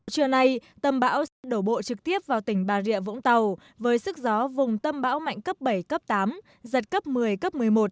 trưa nay tâm bão sẽ đổ bộ trực tiếp vào tỉnh bà rịa vũng tàu với sức gió vùng tâm bão mạnh cấp bảy cấp tám giật cấp một mươi cấp một mươi một